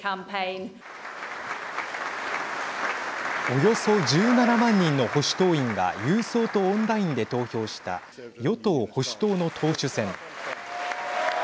およそ１７万人の保守党員が郵送とオンラインで投票した与党・保守党の党首選。